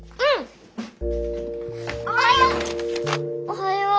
おはよう！